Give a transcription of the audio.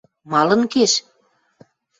Малын кеш?